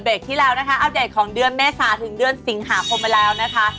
แบตที่แล้วนะคะอัพหน่อยของเดือนแม่ซาถึงเดือนสิงหาคมเป็นแล้วนะคะ